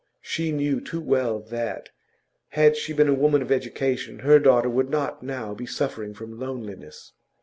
She knew too well that, had she been a woman of education, her daughter would not now be suffering from loneliness.